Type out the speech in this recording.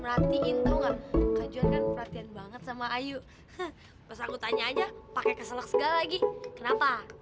perhatiin tahu nggak perhatian banget sama ayu pas aku tanya aja pakai keselak segala lagi kenapa